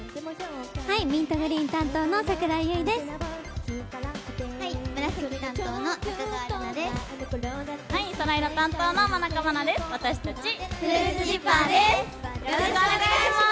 ミントグリーン担当の櫻井優衣です。